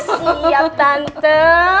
oh siap tante